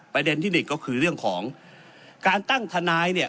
ประเด็นที่หนึ่งก็คือเรื่องของการตั้งทนายเนี่ย